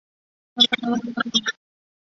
有浓郁的独特香味。